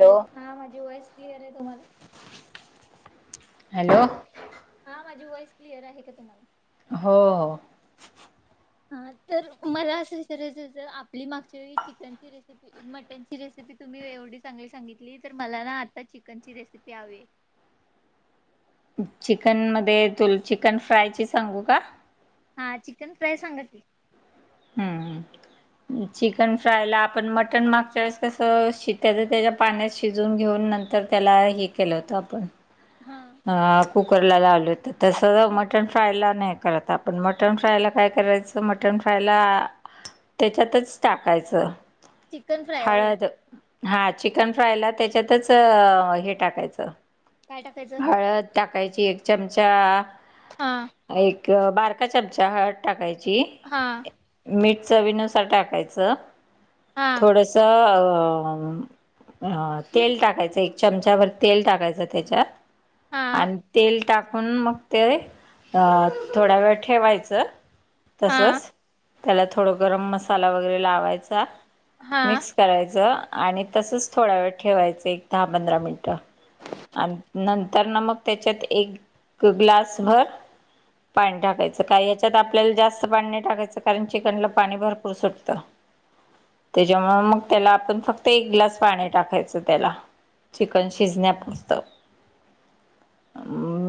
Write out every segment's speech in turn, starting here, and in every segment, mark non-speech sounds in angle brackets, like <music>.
Hello हा माझी voice clear आहे तुम्हाला. हॅलो हा माझी वॉइस क्लिअर आहे का तुम्हाला हो हो हा तर मला असं विचारायचं होत आपली मागच्यावेळी चिकनची रेसिपी मटन ची रेसिपी तुम्ही एवढी चांगली सांगितली तर मला ना आता चिकनची रेसिपी हवीय चिकन मध्ये तुल चिकन फ्रायची सांगू का हा चिकन फ्राय सांगा की हू <inaudible> चिकन फ्रायला आपण मटन मागच्या वेळेस कस शिट्याच त्याच्या पाण्यात शिजवून घेऊन नंतर तर त्याला हे केलं होतं आपण हा आ कुकरला लावल होत तसं हा मटण फ्रायला नाही करत आपण मटन फ्रायला काय करायचं तर मटण फ्रायला त्याच्यातच टाकायचं चिकन फ्राय ओ हळद हा चिकन फ्रायला त्याच्यातच हे टाकायचं काय टाकायचं हळद टाकायची एक चमचा हा एक बारका चमचा हळद टाकायची हा मीठ चवीनुसार टाकायचं हा थोडस तेल टाकायचं एक चमचाभर तेल टाकायचं त्याच्यात हा आणि तेल टाकून मग ते अ थोड्या वेळ ठेवायचं हा तसच त्याला थोड गरम मसाला वगैरे लावायचा हा मिक्स करायचं आणि तसच थोडा वेळ ठेवायचं एक दहा पंधरा मिनटं अन् नंतरन मग त्याच्यात एक ग्लास भर पाणी टाकायचं काही याच्यात आपल्याला जास्त पाणी नाही टाकायचं कारण चिकनला पाणी भरपूर सुटतं <inaudible> त्याच्यामूळ मग त्याला आपण फक्त एक ग्लास पाणी टाकायचं त्याला चिकन शिजण्यापुरतं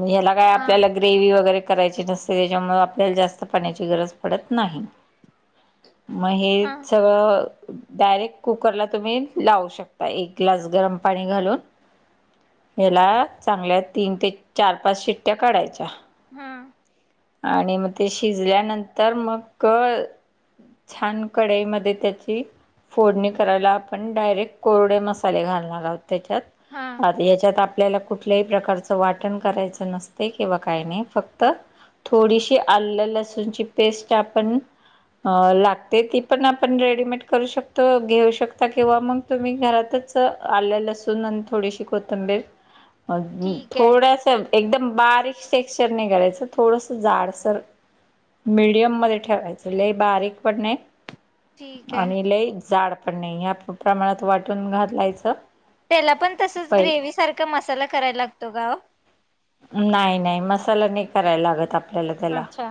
ह्याला काय हा आपल्याला ग्रेव वगैरे करायची नसते त्याच्यामुळे आपल्याला जास्त पाण्याची गरज पडत नाही <inaudible> म हे हा सगळं डायरेक्ट कुकरला तुम्ही लावू शकता एक ग्लास गरम पाणी घालून ह्याला चांगल्या तीन ते चार पाच शिट्ट्या काढायच्या हा आणि म ते शिजल्यानंतर मग छान कढाईमध्ये त्याची फोडणी करायला आपण डायरेक्ट कोरडे मसाले घालणार आहोत त्याच्यात हा याच्यात आपल्याला कुठल्याही प्रकारचं वाटण करायचं नसतय किंवा काय नाही फक्त थोडीशी आलं लसूणची पेस्ट आपण अ लागते ती पण आपण रेडीमेड करू शकतो घेऊ शकता किंवा मग. तुम्ही घरातच आलं लसुन आणि थोडीशी कोथंबीर. <inaudible> ठीक आहे थोडस एकदम बारीक टेक्सचर नाही करायचं थोडस. जाडसर मिडियम मध्ये ठेवायचं लई बारीक पण नाही. ठीक आहे. आणि लय जाड पण नाही या प्रमाणात वाटून घालायचं. त्याला पण तसच पहि ग्रेव्ही सारखं मसाला करायला लागतो का ओ? नाही नाही मसाला नाही करायला लागत आपल्याला त्याला. अच्छा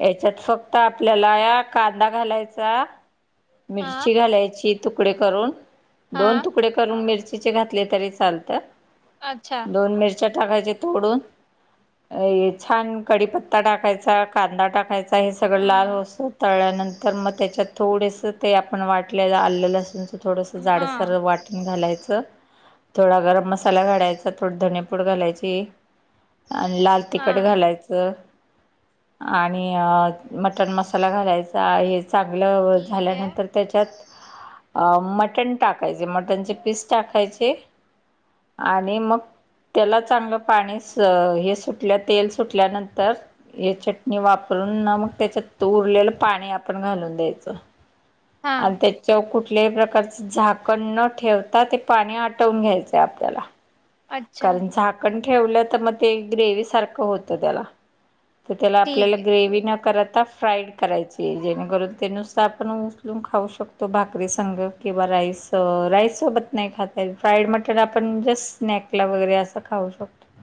याच्यात फक्त आपल्याला या कांदा घालायचा, हा मिरची घालायची. तुकडे करून दोन हां, तुकडे करून मिरचीचे घातले तरी चालत्यात. अच्छा. दोन मिरच्या टाकायच्या तोडून, छान कढीपत्ता टाकायचा. कांदा टाकायचा हे सगळं लाल हां, होसतवर तळल्यानंतर तर मग त्याच्यात थोडेसं ते आपण वाटलेलं आलं लसुन. थोडसं हां, जाडसर वाटून घालायचं. थोडा गरम मसाला घालायचा थोडे धणेपूड घालायची आणि लाल. तिखट हां. घालायचं. आणि मटण मसाला घालायचा हे चांगलं ठीक आहे. झाल्यानंतर. त्याच्यात मटण टाकायचे मटणचे पीस टाकायचे. आणि मग. त्याला चांगलं पाणी स हे सुटल्या तेल सुटल्यानंतर हे चट णि वापरून ना मग त्याच्यात उरलेलं पाणी आपण घालून द्यायचं हां, आणि त्या च्यावर कुठल्याही प्रकारचं झाकण न ठेवता ते पाणी आटवून घ्यायचं आहे आपल्याला. अच्छा कारण झाकण ठेवलं तर मग ते ग्रेव्ही सारखं होतं त्याला. तर त्याला आपल्याला ठीक आहे. ग्रेव्ही न करता. फ्राईड करायची जेणेकरून ते नुसत आपण उचलून खाऊ शकतो भाकरी संग. किंवा राईस राईस सोबत नाही खाता येत. फ्राईड मटन आपण जस्ट स्नॅक. क वगैरे असा खाऊ शकतो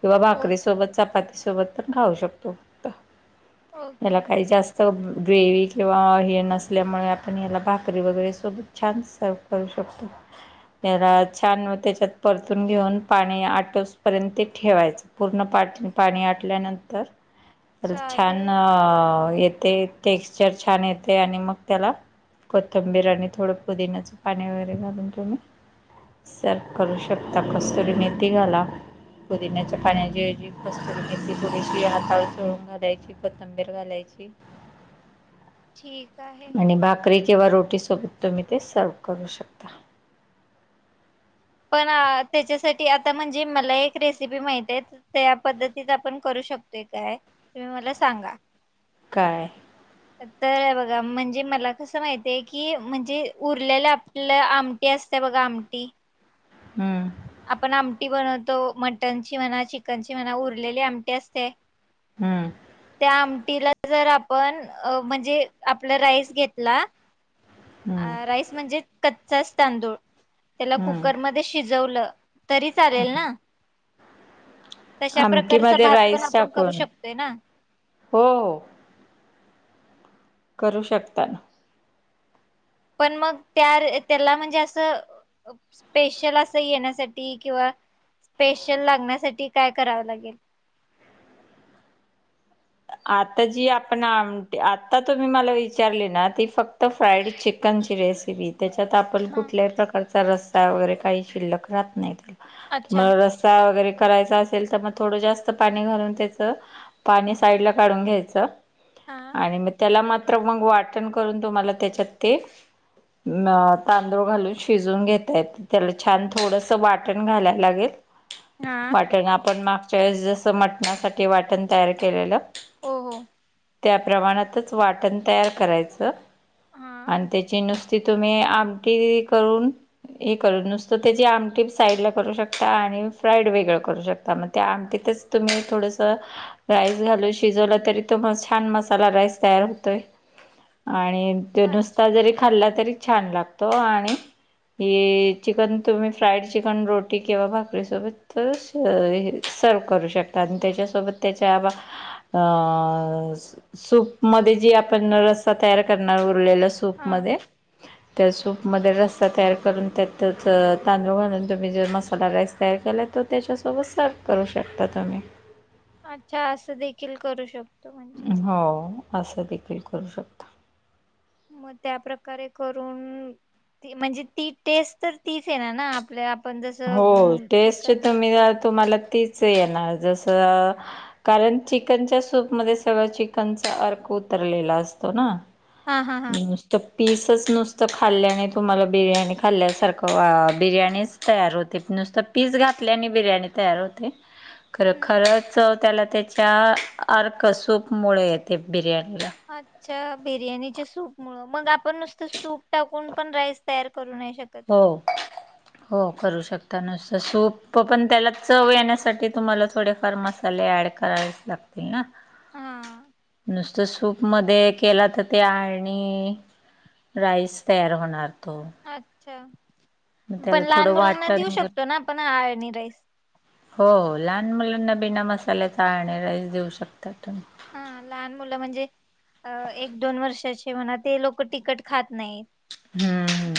किंवा ओ भाकरी सोबत, चपाती सोबत. पण खाऊ शकतो फक्त याला ओके. काही जास्त सग ग्रेवी किंवा हे नसल्यामुळे आपण याला भाकरी वगैरे सोबत छान स शकतो त्याला छान त्याच्यात परतून. घेऊन पाणी आठोसपर्यंत ते ठेवायचं. पूर्ण पाट पाणी आटल्यानंतर त्याला छान चालेल अ येते. टेक्स्चर छान येते आणि मग त्याला. कोथंबीर आणि थोडं पुदिनाचं पाणी वगैरे घलून तुम्ही. सर्व्ह करू शकता कसुरी मेथी घाला पुदिन्याच्या पाण्याच्या ऐवजी. कसुरी मेथी थोडीशी हातावर चोळून घालायची, कोथिंबीर घालायची. <inaudible> आहे. आणि भाकरी किंवा रोटी सोबत तुम्ही ते सर्व्ह करू शकता. पण त्याच्यासाठी आता म्हणजे मला एक रेसिपी माहिती आहे त्या पद्धतीत आपण करू शकतोय काय? तुम्ही मला सांगा. काय? <inaudible> तर बघा म्हणजे मला कसं माहितय की म्हणजे उरलेल्या आपल्या आम आमची असत्या बघा आमटी. हम्म. आपण आमटी बनवतो मटनची म्हणा चिकनची म्हणा उरलेली आमटी असते हम्म. त्या आमटीला जर आपण म्हणजे आपला राईस घेतला हम्म अ राईस म्हणजे कच्चाच तांदूळ त्याला हम्म कुकरमध्ये शिजवलं तरी चालेल ना. तशा प्रकारचा आमटीमध्ये भात पण राईस आपण करू टाकून शकतोय ना. हो हो. करू शकता ना. पण मग त्या रे त्याला म्हणजे असं स्पेशल असं येण्यासाठी किंवा स्पेशल लागण्यासाठी काय करावं लागेल? आता जी आपणआमटी आता तुम्ही मला विचारले ना ती फक्त फ्राईड चिक कनची रेसिपी त्याच्यात आपल हा कुठल्याही प्रकारचा रस्ता वगैरे काही शिल्लक राहत नाही अच्छा तुम्हाला रस् सा वगैरे करायचा असेल तर मग थोडं जास्त पाणी घालून त्याचा पाणी साइडला काढून घ्यायच हा आणि म त्याला मा त्र मग वाटण करून तुम्हाला त्याच्यात ते म तांदूळ घालून शिजवून घेत आहेत. त्याला छान थोडंसं वाटण घालायला लागेल हा वाटण आपण मागच्या वेळेस जसं मटणासाठी वाटण तयार केलेलं हो हो. त्या प्रमाणातच वाटण तयार करायचं हा आणि त्याची नुस ती तुम्ही आमटी करून हे करून नुसतं त्याची आमटी साईडला करू शकता आणि फ्राईड वेगळं करू शकता म त्या आमटीतच तुम्ही थोडंसं राईस घालून शिजवला तरी तो म छान मसाला राईस तयार होतोय आणि ते अच्छा नुसता जरी खाल्ला तरी छान लागतो आणि हे चिकन तुम्ही फ्राईड चिकन रोटी किंवा भाकरीसोबत तरच अ हे सर्व करू शकता आणि त्याच्यासोबत त्याच्या बा अ सूप मध्ये जे आपण रस्सा तयार करणार उरलेला हा सूपमध्ये त्या सूपमध्ये रस्सा तयार करून त्यातच तांदूळ घालून तुम्ही जर मसाला राईस तयार केलात तो त्याच्यासोबत सर्व करू शकता तुम्ही. अच्छा असं देखील करू शकतो म्हणजे. हो असं देखील करू शकता. म त्याप्रकारे करून ती म्हणजे ती टेस्ट तर तीच येणार ना आपल्या आपण हो जसं टेस्ट चिकन तुम्ही करतो जरा तुम्हाला तीच येणार जसं कारण चिकनच्या सूप मध्ये सगळं चिकनचा अर्क उतरलेला असतो ना हा हा हा म नुस तं पीसच नुसतं खाल्ल्याने तुम्हाला बिर्याणी खाल्ल्यासारखं आ बिर्याणीच तयार होते नुसतं पीस घातल्या आणि बिर्याणी तयार होते खरं हम्म. खरंच त्याला त्याच्या अर्क सूपमुळे येते बिर्याणीला. अच्छा बिर्याणीचे सूप मुळं मग आपण नुसतं सूप टाकून पण राईस तयार करू नाही शकत. हो की हो करू शकता नुसतं सूप पण त्याला चव येण्यासाठी तुम्हाला थोडे फार मस् ले ऍड करा लागतील ना हा नुस ज सूपमध्ये केला तर ते आणि राईस तयार होणार तो. अच्छा मग त्याला पण लहान थोडं मुलांना वाटण देऊ वगैरे शकतो ना आपण आळणी राईस? हो लहान मुलांना बिना मसाल्याचा आळणी राईस देऊ शकता तुम्ही. हा लहान मुलं म्हणजे? अ एक दोन वर्षाचे म्हणा ती लोक तिकट खात नाहीत. हम्म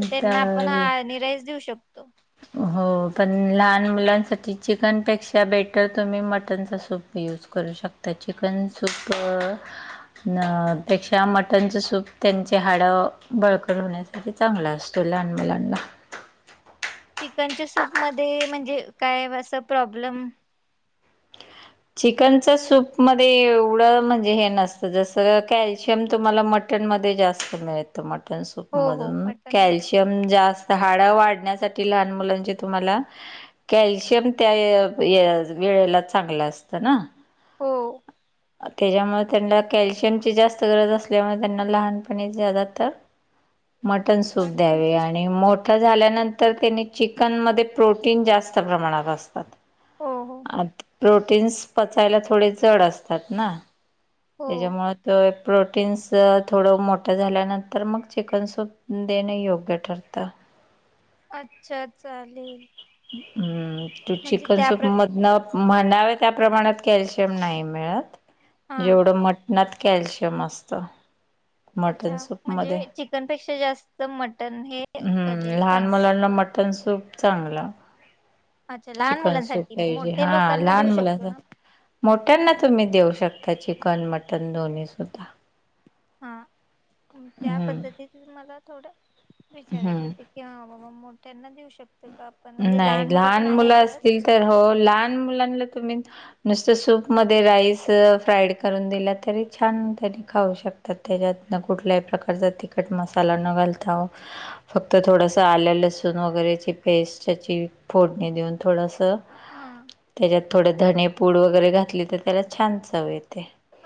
तर त्यांना आपण तर आळणी राईस देऊ शकतो. हो पण लहान मुलांसाठी चिकनपेक्षा बेटर तुम्ही मटनच सूप. यूज करू शकता चिकन सूप. अ पेक्षा मटणचे सूप त्यांचे हाड बळकट होण्या. ते चांगला असतो लहान मुलांना. चिकनच्या सूपमध्ये म्हणजे काय असं प्रॉब्लेम. चिकनच सूप मध्ये एवढं म्हणजे हे नसतं जस कॅल्शियम तुम्हाला मट मटन मध्ये जास्त मिळत मटन सूप हो हो मधून मटनमध्ये तर कॅल्शियम जास्त हाड वाढण्यासाठी लहान मुलांची तुम्हाला कॅल्शियम त्या वेळेला चांगलं असतं ना हो त्याज्यामुळ त्यांना कॅल्शियमची जास्त गरज असल्यामुळे त्यांना लहानपणी ज्यादा तर. <inaudible> मटन सूप द्यावे मटनचं आणि सूप मोठ. ठ झाल्यानंतर त्यांनी चिकन मध्ये प्रोटीन जास्त प्रमाणात असतात. हो हो. प्रोटीन्स पचायला थोडे जड असतात ना हो त्याच्यामुं. तर प्रोटीन्स थोडं मोठं झाल्यानंतर मग चिकन सूप देणं योग्य ठरतं. अच्छा चालेल. हम्म तू म्हणजे चिकन त्या सूप प्र मध ना‌. म्हडाव त्या प्रमाणात कल्शियम नाही मिळत हा जेवढ मठ नात कॅल्शियम असतं. अच्छा मटण म्हणजे सूपमध्ये. चिकनपेक्षा जास्त मटण हे कधीही चांग. टण सूप चांगल. अच्छा लहान चिकन सूप मुलांसाठी पाहिजे मोठे हा लोकांना लहान देऊ मुलाच. शकतो ना मोठ्यांना तुम्ही देऊ शकता चिकन मटन दोन्हीसुद्धा. हा त्या हम्म पद्धतीत मला थोडं विचारायचं हम्म. ते. की हा बाबा मोठ्यांना देऊ शकत का? आपण म्हणजे नाही मुलं पण लहान आहे मुलं असतील तर हो लहान मुलांना तुम्ही. नुसतं सूप मध्ये राईस फ्राईड करून दिला तरी छान तरी. खाऊ शकतात त्याच्यात कुठल्याही प्रकारचा तिखट मसाला न घालता. फक्त थोडस आल्या लसूण वगैरेची पेस्ट त्याची फोडणी देऊन थोडस. हा. त्याच्यात थोड धणे पूड वगैरे घातली तर त्याला छान चव येते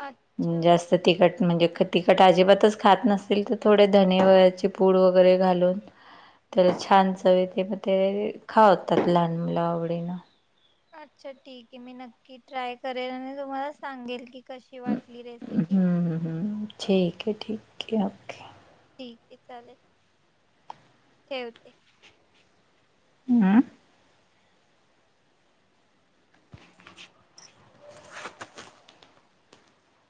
अच्छा जास्त. तर तिखट म्हणजे तिखट अजिबातच खात नसतील तर थोडे धने वची पूड वगैरे घालून त्याला छान चव ते म ते खावतात लहान मुलं आवडीनं अच्छा ठीक आहे मी नक्की ट्राय करेल आणि तुम्हाला सांगेल की कशी वाटली हम्म रेसिपी हम्म हम्म. ठीक आहे ठीक आहे ओके ठीक आहे चालेल ठेवते हा